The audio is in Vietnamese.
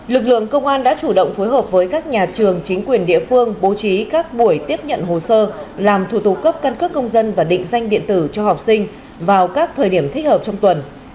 lực lượng công an đã chủ động phối hợp với các nhà trường chính quyền địa phương bố trí các buổi tiếp nhận hồ sơ làm thủ tục cấp căn cước công dân và định danh điện tử cho học sinh vào các thời điểm thích hợp trong tuần